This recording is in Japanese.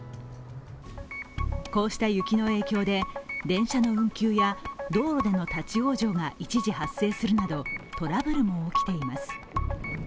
こうした雪の影響で、電車の運休や道路での立往生が一時発生するなどトラブルも起きています。